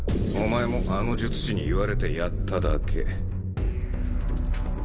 お前もあの術師に言われてやっただけ。